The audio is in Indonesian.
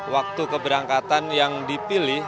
waktu keberangkatan yang dipilih